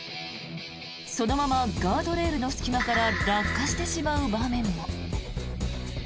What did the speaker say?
そのままガードレールの隙間から落下してしまう場面も。